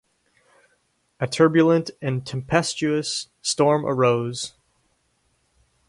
A turbulent and tempestuous storm arose.